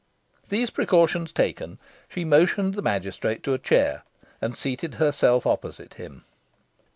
These precautions taken, she motioned the magistrate to a chair, and seated herself opposite him.